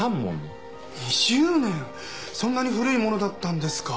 そんなに古いものだったんですか。